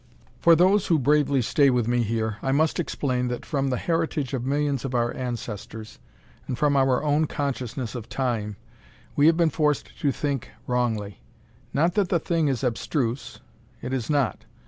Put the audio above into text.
For those who bravely stay with me here, I must explain that from the heritage of millions of our ancestors, and from our own consciousness of Time, we have been forced to think wrongly. Not that the thing is abstruse. It is not.